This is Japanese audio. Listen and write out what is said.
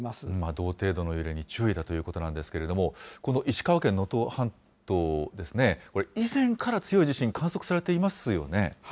同程度の揺れに注意だということなんですけれども、この石川県能登半島ですね、以前から強い地震観測されていますよね。